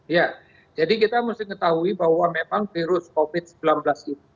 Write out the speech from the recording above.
ya jadi kita mesti ketahui bahwa memang virus covid sembilan belas ini